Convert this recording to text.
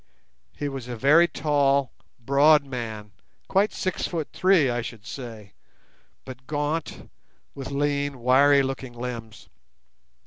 He was a very tall, broad man, quite six foot three, I should say, but gaunt, with lean, wiry looking limbs.